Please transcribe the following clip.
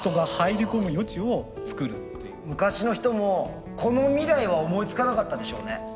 昔の人もこの未来は思いつかなかったでしょうね。